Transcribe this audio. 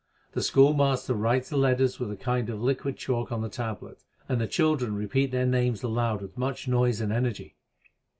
The schoolmaster writes the letters with a kind of liquid chalk on the tablet ; and the children repeat their names aloud with much noise and energy.